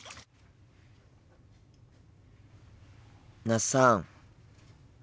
那須さん。